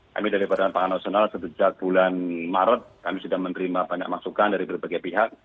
kami dari badan pangan nasional sejak bulan maret kami sudah menerima banyak masukan dari berbagai pihak